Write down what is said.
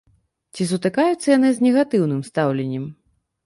Ці сутыкаюцца яны з негатыўным стаўленнем?